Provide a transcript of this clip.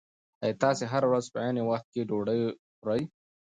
ایا تاسي هره ورځ په عین وخت کې ډوډۍ خورئ؟